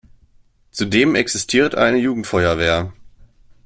Zudem existiert eine Jugendfeuerwehr.